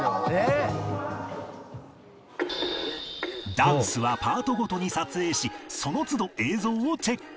ダンスはパートごとに撮影しその都度映像をチェック